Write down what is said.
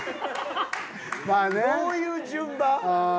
どういう順番？